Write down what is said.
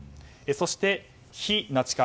そして非ナチ化